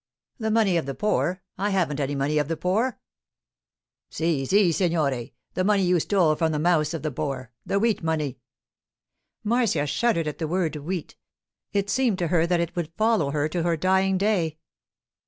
'The money of the poor? I haven't any money of the poor.' 'Si, si, signore. The money you stole from the mouths of the poor—the wheat money.' Marcia shuddered at the word 'wheat.' It seemed to her that it would follow her to her dying day.